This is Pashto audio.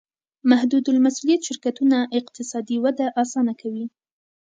محدودالمسوولیت شرکتونه اقتصادي وده اسانه کوي.